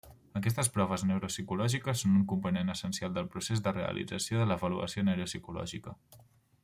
Aquestes proves neuropsicològiques són un component essencial del procés de realització de l'avaluació neuropsicològica.